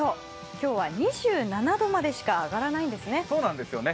今日は２７度までしか上がらないんですよね。